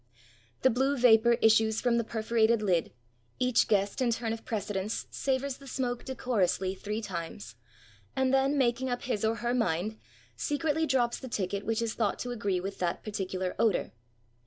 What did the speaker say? The blue vapor issues from the per forated lid, each guest in turn of precedence savors the smoke decorously three times, and then, making up his or her mind, secretly drops the ticket which is thought to agree with that particular odor.